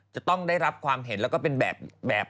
จะต้องได้รับความเห็นแล้วก็เป็นแบบ